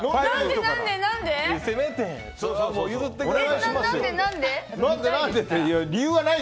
せめて譲ってください。